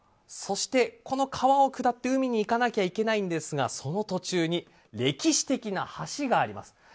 そして、この川を下って海に行かないといけないんですがその間に歴史的な橋があります。